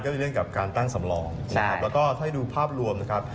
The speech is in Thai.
ก็คือเรื่องกับการตั้งสำรองนะครับแล้วก็ถ้าให้ดูภาพรวมนะครับ